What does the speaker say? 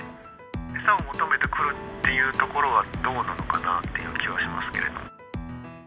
餌を求めてくるというところはどうなのかなっていう気はしますけど。